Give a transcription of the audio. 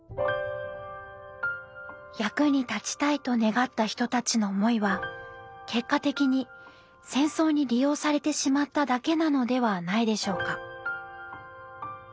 役に立ちたいと願った人たちの思いは結果的に戦争に利用されてしまっただけなのではないでしょうか。